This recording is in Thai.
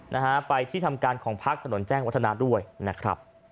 นะฮะไปที่ทำการของพักถนนแจ้งวัฒนาด้วยนะครับ